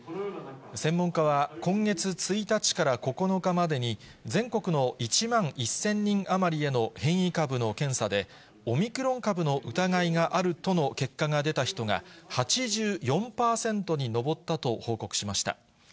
専門家は、今月１日から９日までに全国の１万１０００人余りへの変異株の検査で、オミクロン株の疑いがあるとの結果が出た人が、８４％に上ったと報告しました。